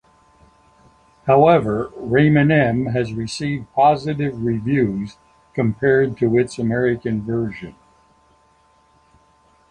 However "Rayman M" has received positive reviews compared to its American version.